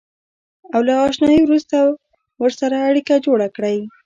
او له اشنایۍ وروسته ورسره اړیکه جوړه کړئ.